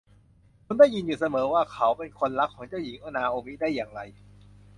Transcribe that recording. คุณได้ยินอยู่เสมอว่าเขาเป็นคนรักของเจ้าหญิงนาโอมิได้อย่างไร